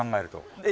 えっ？